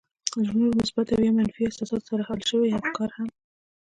له نورو مثبتو او يا منفي احساساتو سره حل شوي افکار هم.